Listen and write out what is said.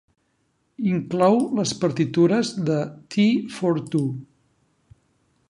Inclou les partitures de "Tea for Two".